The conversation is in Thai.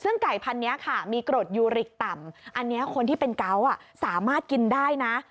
ซึ่งไก่พันธุ์นี้ค่ะมีกรดยูริกต่ำอันนี้คนที่เป็นเกาะสามารถกินได้นะ